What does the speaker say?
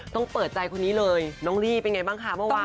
เปิดใจคนนี้เลยน้องลี่เป็นไงบ้างคะเมื่อวาน